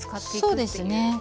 そうですねはい。